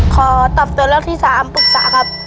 ขอตอบตัวเลือกที่๓ปรึกษาครับ